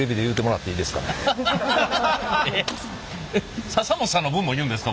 えっ笹本さんの分も言うんですか？